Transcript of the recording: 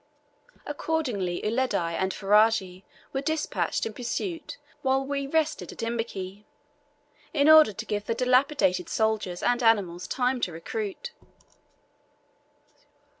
Accordingly Uledi and Ferajji were despatched in pursuit while we rested at Imbiki, in order to give the dilapidated soldiers and animals time to recruit.